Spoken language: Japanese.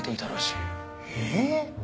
えっ！？